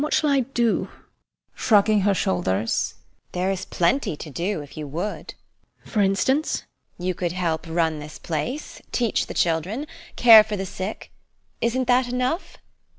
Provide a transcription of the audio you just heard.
What shall I do? SONIA. [Shrugging her shoulders] There is plenty to do if you would. HELENA. For instance? SONIA. You could help run this place, teach the children, care for the sick isn't that enough?